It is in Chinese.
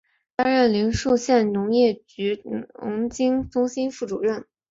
担任临沭县农业局农经中心副主任。